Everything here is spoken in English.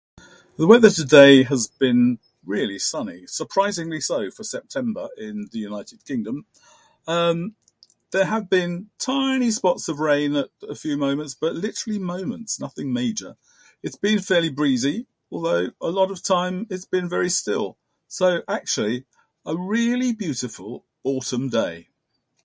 The weather today has been really sunny. Surprisingly so for September in the United Kingdom. Um, there have been tiny spots of rain at a few moments, but literally moments, nothing major. It's been fairly breezy, although a lot of time it's been very still. So actually, a really beautiful autumn day.